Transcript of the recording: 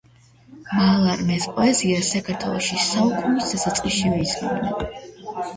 მალარმეს პოეზიას საქართველოში საუკუნის დასაწყისშივე იცნობდნენ.